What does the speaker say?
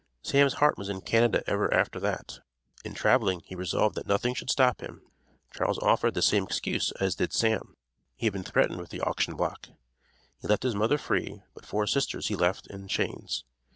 Sam's heart was in Canada ever after that. In traveling he resolved that nothing should stop him. Charles offered the same excuse as did Sam. He had been threatened with the auction block. He left his mother free, but four sisters he left in chains.